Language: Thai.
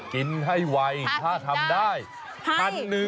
กินให้ไวถ้าทำได้ให้๑๐๐๐